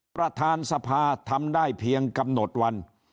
ประธานสภาทำได้เพียงกำหนดวัน